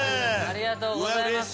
ありがとうございます。